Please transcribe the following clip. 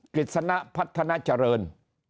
ฤษณะพัฒนาเจริญ